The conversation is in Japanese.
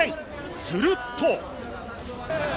すると。